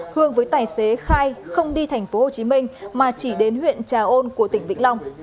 hương với tài xế khai không đi tp hồ chí minh mà chỉ đến huyện trà ôn của tỉnh vĩnh long